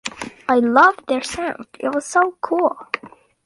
I loved their sound, it was so cool.